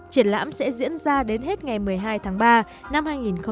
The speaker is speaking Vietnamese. triển lãm sẽ diễn ra đến hết ngày một mươi hai tháng ba năm hai nghìn một mươi bảy